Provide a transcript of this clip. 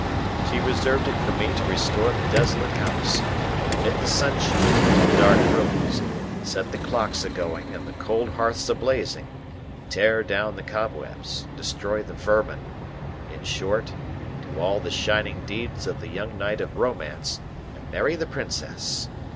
She reserved it for me to restore the desolate house, admit the sunshine into the dark rooms, set the clocks a going and the cold hearths a blazing, tear down the cobwebs, destroy the vermin,—in short, do all the shining deeds of the young Knight of romance, and marry the Princess.